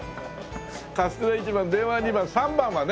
カステラ１番電話は２番３番はね